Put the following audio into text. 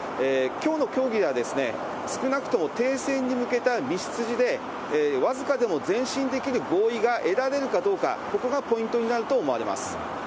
きょうの協議が少なくとも停戦に向けた道筋で、僅かでも前進できる合意が得られるかどうか、ここがポイントになると思われます。